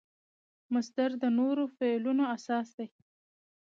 مصدر د نورو فعلونو اساس دئ.